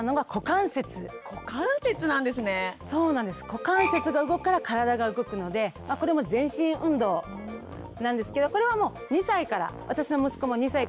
股関節が動くから体が動くのでこれも全身運動なんですけどこれはもう２歳から私の息子も２歳からやっていて。